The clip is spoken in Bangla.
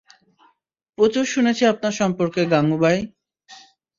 প্রচুর শুনেছি আপনার সম্পর্কে গাঙুবাই।